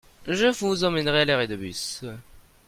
Je vous emmènerai à l'arrêt de bus.